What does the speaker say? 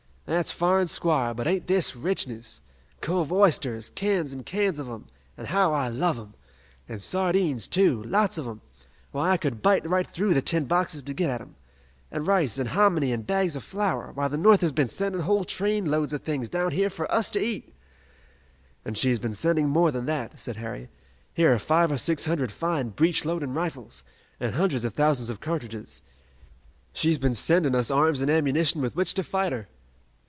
"That's fa'r an' squar', but ain't this richness! Cove oysters, cans an' cans of 'em, an' how I love 'em! An' sardines, too, lots of 'em! Why, I could bite right through the tin boxes to get at 'em. An' rice, an' hominy, an' bags o' flour. Why, the North has been sendin' whole train loads of things down here for us to eat!" "And she has been sending more than that," said Harry. "Here are five or six hundred fine breech loading rifles, and hundreds of thousands of cartridges. She's been sending us arms and ammunition with which to fight her!"